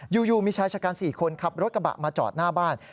อยู่มีชายชะกัน๔คนขับรถกระบะมาจอดหน้าบ้าน